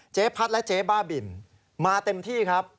เจ๊พัดและเจ๊บ้าบินมาเต็มที่ครับ